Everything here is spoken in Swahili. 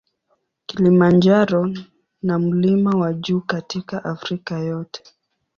Kilimanjaro na mlima wa juu katika Afrika yote.